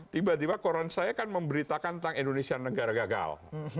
tiba tiba koran saya kan memberitakan tentang indonesia negara gagal